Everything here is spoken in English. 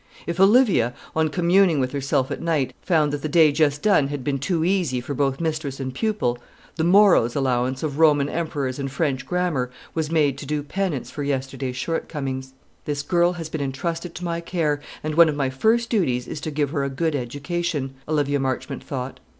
If Olivia, on communing with herself at night, found that the day just done had been too easy for both mistress and pupil, the morrow's allowance of Roman emperors and French grammar was made to do penance for yesterday's shortcomings. "This girl has been intrusted to my care, and one of my first duties is to give her a good education," Olivia Marchmont thought.